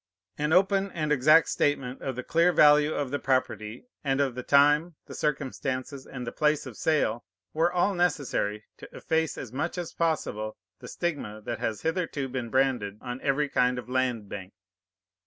An open, and exact statement of the clear value of the property, and of the time, the circumstances, and the place of sale, were all necessary, to efface as much as possible the stigma that has hitherto been branded on every kind of land bank.